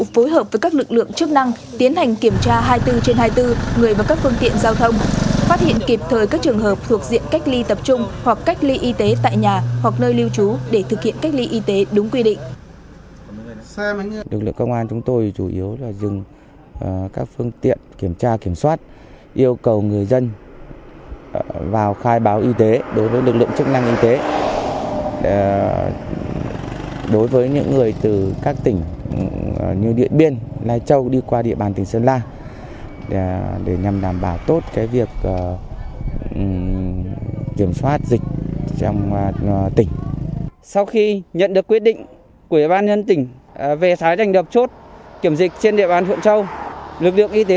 phát hiện kịp thời các trường hợp thuộc diện cách ly y tế tại nhà hoặc nơi lưu trú để thực hiện cách ly y tế tại nhà hoặc nơi lưu trú để thực hiện cách ly y tế